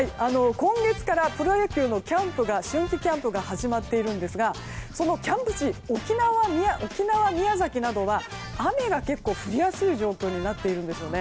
今月からプロ野球の春季キャンプが始まっていますがそのキャンプ地沖縄、宮崎などは雨が結構、降りやすい状況になっているんですね。